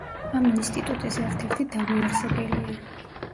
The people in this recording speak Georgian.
ამ ინსტიტუტის ერთ-ერთი დამაარსებელია.